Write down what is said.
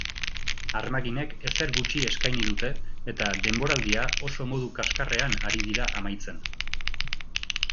Armaginek ezer gutxi eskaini dute eta denboraldia oso modu kaskarrean ari dira amaitzen.